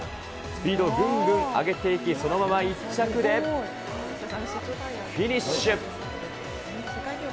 スピードをぐんぐん上げていき、そのまま１着でフィニッシュ。